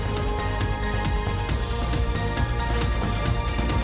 สวัสดีครับ